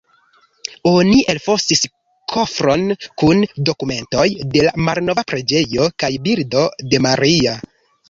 Oni elfosis kofron kun dokumentoj de la malnova preĝejo kaj bildo de Maria.